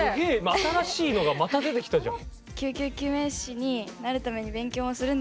新しいのがまた出てきたじゃん。